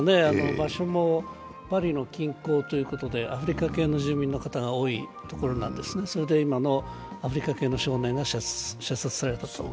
場所もパリの近郊ということでアフリカ系の住民の方が多いところなんですね、それで今のアフリカ系の少年が射殺されたと。